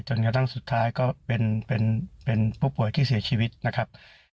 จนกระทั่งสุดท้ายก็เป็นผู้ป่วยที่เสียชีวิตนะครับ